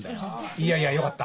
いやいやよかった。